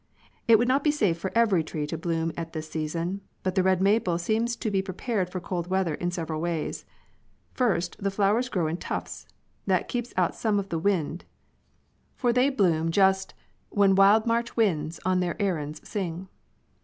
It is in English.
It would not be safe for every tree to bloom at this season, but the red maple seems to be prepared for cold weather in several ways. First, the flowers grow in tufts. That keeps out some of the wind, for they bloom just 96 When wild March winds on their errands sing.